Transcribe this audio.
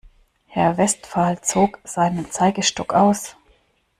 Herr Westphal zog seinen Zeigestock aus.